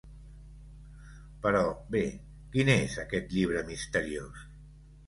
Però, bé…quin és aquest llibre misteriós.